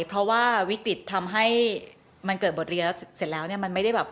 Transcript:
เพราะว่าวิกฤติทำให้มันเกิดบทเรียแล้วเสร็จแล้ว